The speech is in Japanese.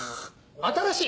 新しい！